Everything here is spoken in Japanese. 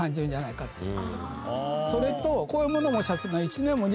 それとこういうものを。